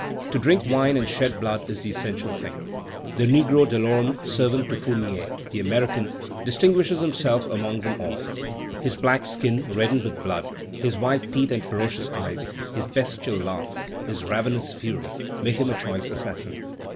To drink wine and shed blood is the essential thing. The negro Delorme, servant to Fournier "the American," distinguishes himself among them all. His black skin, reddened with blood, his white teeth and ferocious eyes, his bestial laugh, his ravenous fury, make him a choice assassin.